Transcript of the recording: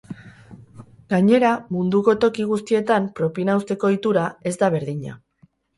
Gainera, munduko toki guztietan propina uzteko ohitura ez da berdina.